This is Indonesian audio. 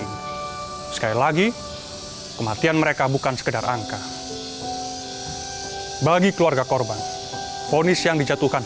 ini sekali lagi kematian mereka bukan sekedar angka bagi keluarga korban ponis yang dijatuhkan